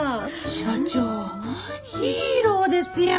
社長ヒーローですやん。